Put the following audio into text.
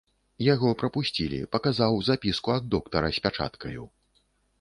Яго прапусцілі, паказаў запіску ад доктара, з пячаткаю.